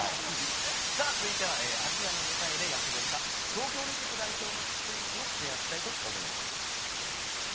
続いて、アジアの舞台で躍動した東京オリンピック代表選手の話題をシェアしたいと思います。